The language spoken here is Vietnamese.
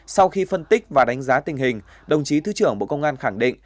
sau khi phân tích và đánh giá tình hình đồng chí thứ trưởng bộ công an khẳng định